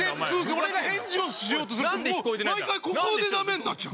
俺が返事をしようとすると毎回ここでダメになっちゃう。